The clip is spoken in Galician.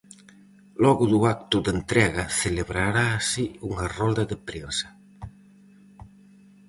Logo do acto de entrega celebrarase unha rolda de prensa.